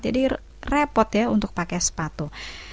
jadi repot ya untuk pakai sepatu